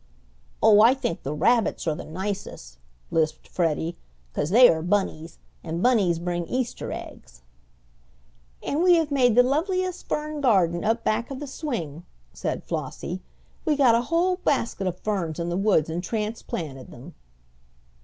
"Oh, I think the rabbits are the nicest," lisped Freddie, "'cause they are Bunnies, and Bunnies bring Easter eggs." "And we have made the loveliest fern garden up back of the swing," said Flossie. "We got a whole basket of ferns in the woods and transplanted them."